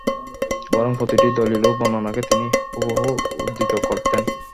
বরং প্রতিটি দলীল ও বর্ণনাকে তিনি হুবহু উদ্ধৃত করতেন।